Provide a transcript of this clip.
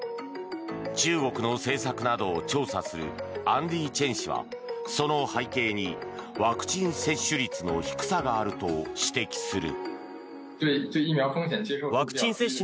中国の政策などを調査するアンディ・チェン氏はその背景にワクチン接種率の低さがあると指摘する。